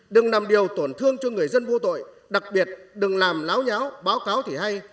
đừng làm điều tổn thương cho người dân vô tội đặc biệt đừng làm láo nháo báo cáo thì hay